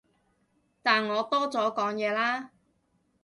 但我多咗講嘢啦